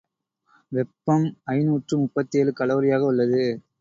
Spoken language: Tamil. வெப்பம் ஐநூற்று முப்பத்தேழு கலோரியாக உள்ளது.